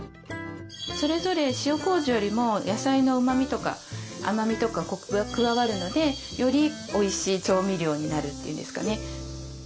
それぞれ塩こうじよりも野菜のうまみとか甘みとかコクが加わるのでよりおいしい調味料になるというんですかね。